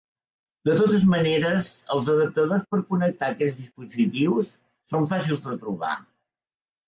De totes maneres, els adaptadors per connectar aquests dispositius són fàcils de trobar.